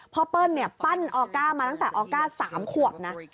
เปิ้ลปั้นออก้ามาตั้งแต่ออก้า๓ขวบนะ